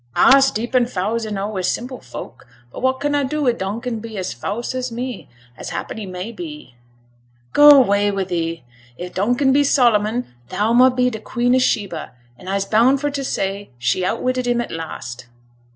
'A'se deep an' fause enow wi' simple folk; but what can a do i' Donkin be as fause as me as happen he may be?' 'Ga way wi' thee! I' Donkin be Solomon, thou mun be t' Queen o' Sheba; and I'se bound for to say she outwitted him at last!'